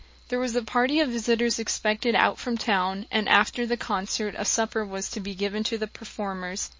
There was a party of visitors expected out from town, and after the concert a supper was to be given to the performers.